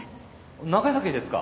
長崎ですか。